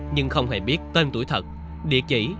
nhưng không hề biết tên tuổi thật địa chỉ